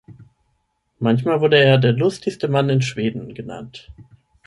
Manchmal wurde er „Der lustigste Mann in Schweden“ genannt.